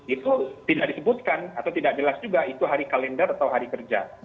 itu tidak disebutkan atau tidak jelas juga itu hari kalender atau hari kerja